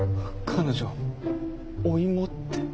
彼女「おいも」って。